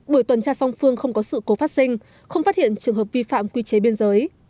buổi tuần tra song phương không có sự cố phát sinh không phát hiện trường hợp vi phạm quy chế biên giới